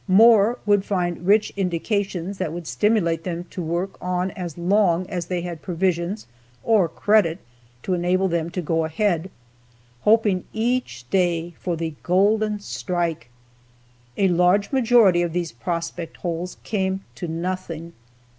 More would find rich indications that would stimulate them to work on as long as they had provisions or credit to enable them to go ahead, hoping each day for the golden "strike." A large majority of these prospect holes came to nothing.